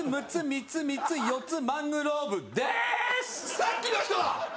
さっきの人だ！